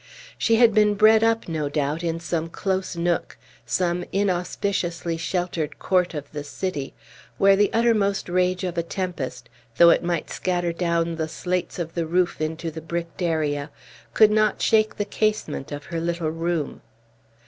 She had been bred up, no doubt, in some close nook, some inauspiciously sheltered court of the city, where the uttermost rage of a tempest, though it might scatter down the slates of the roof into the bricked area, could not shake the casement of her little room.